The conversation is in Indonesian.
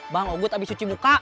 bang oguh habis cuci muka